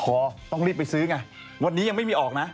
พอต้องรีบไปซื้อไงวันนี้ยังไม่มีออกนะ